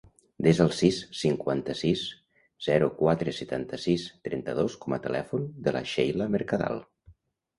Desa el sis, cinquanta-sis, zero, quatre, setanta-sis, trenta-dos com a telèfon de la Sheila Mercadal.